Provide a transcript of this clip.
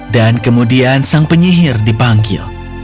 dan kemudian sang penyihir dipanggil